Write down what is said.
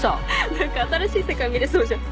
何か新しい世界見れそうじゃん。